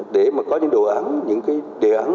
để mà có những đề án